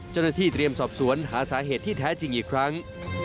เจ้าหน้าที่เตรียมสอบสวนหาสาเหตุที่แท้จริงอีกครั้ง